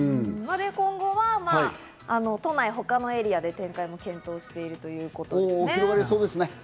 今後は都内の他のエリアでも展開を検討しているということですね。